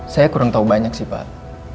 saya kurang tahu banyak sih pak